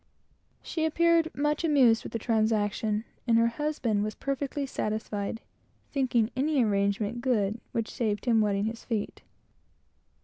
She appeared much amused with the transaction, and her husband was perfectly satisfied, thinking any arrangement good which saved his wetting his feet.